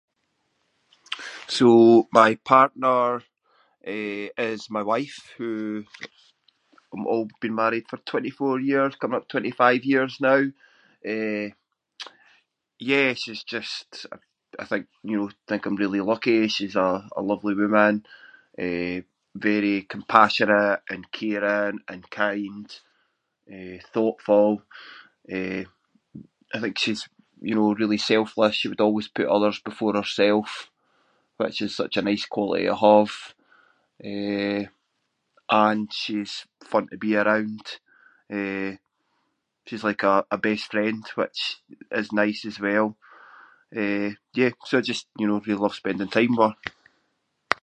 So my partner, eh, is my wife who I’m al- been married for twenty-four years, coming up twenty-five years now. Eh, yeah, she’s just I- I think, you know, think I’m really lucky, she’s a- a lovely woman. Eh, very compassionate and caring and kind, eh, thoughtful, eh, I think she’s, you know, really selfless, she would always put others before herself which is such a nice quality to have. Eh, and she’s fun to be around. Eh, she’s like a- a best friend which is nice as well. Eh, yeah, ‘cause I just, you know, really love spending time with her.